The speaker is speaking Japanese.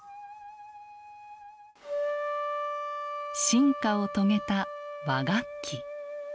進化を遂げた和楽器。